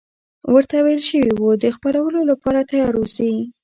ورته ویل شوي وو د خپرولو لپاره تیار اوسي.